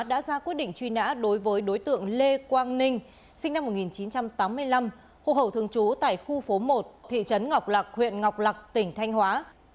đã ra quyết định truy nã đối với đối tượng lê quang ninh sinh năm một nghìn chín trăm tám mươi năm hồ hậu thường trú tại khu phố một thị trấn ngọc lạc huyện ngọc lạc tỉnh thanh hóa